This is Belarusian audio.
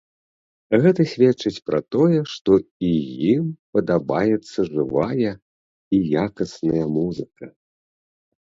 Гэта сведчыць пра тое, што і ім падабаецца жывая і якасная музыка.